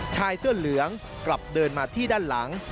ชายเสื้อเหลืองกลับเดินมาที่ด้านหลัง